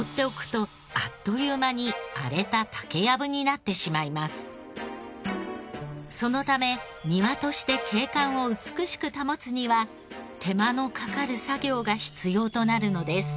放っておくとそのため庭として景観を美しく保つには手間のかかる作業が必要となるのです。